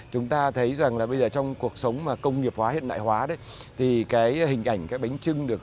chúng ta thấy rằng là bây giờ trong cuộc sống mà công nghiệp hóa hiện đại hóa đấy thì cái hình ảnh cái bánh trưng được